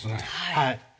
はい。